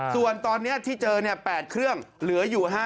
ส่วนตอนนี้ที่เจอ๘เครื่องเหลืออยู่๕๐